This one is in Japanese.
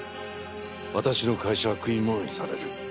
私の会社は食い物にされる。